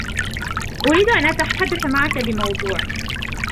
أريد أن أتحدث معك بموضوع